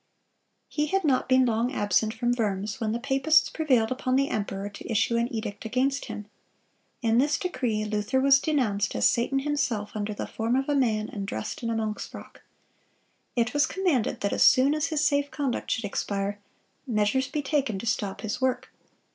(238) He had not been long absent from Worms, when the papists prevailed upon the emperor to issue an edict against him. In this decree Luther was denounced as "Satan himself under the form of a man and dressed in a monk's frock."(239) It was commanded that as soon as his safe conduct should expire, measures be taken to stop his work.